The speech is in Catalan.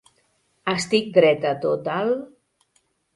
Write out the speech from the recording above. Estic dreta tot el [...]